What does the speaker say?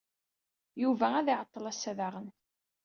Yuba ad iɛeṭṭel ass-a daɣen.